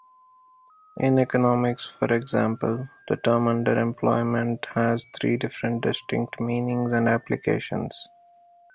In economics, for example, the term underemployment has three different distinct meanings and applications.